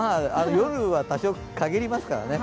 夜は多少、陰りますからね。